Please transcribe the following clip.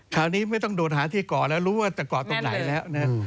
คราวนี้ไม่ต้องโดดหาที่เกาะแล้วรู้ว่าจะเกาะตรงไหนแล้วนะ